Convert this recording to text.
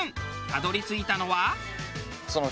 たどり着いたのは。